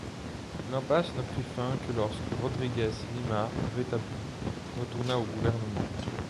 L’impasse ne prit fin que lorsque Rodrigues Lima, rétabli, retourna au gouvernement.